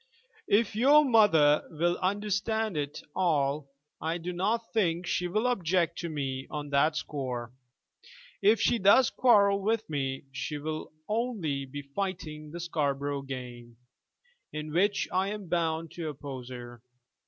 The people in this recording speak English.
"If your mother will understand it all, I do not think she will object to me on that score. If she does quarrel with me, she will only be fighting the Scarborough game, in which I am bound to oppose her.